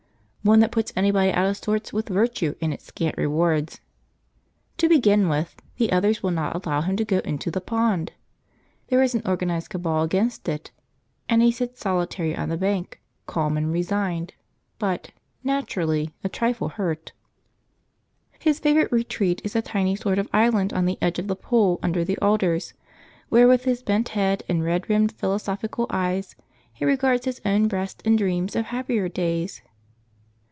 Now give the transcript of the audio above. One that puts anybody out of sorts with virtue and its scant rewards. To begin with, the others will not allow him to go into the pond. There is an organised cabal against it, and he sits solitary on the bank, calm and resigned, but, naturally, a trifle hurt. His favourite retreat is a tiny sort of island on the edge of the pool under the alders, where with his bent head, and red rimmed philosophic eyes he regards his own breast and dreams of happier days.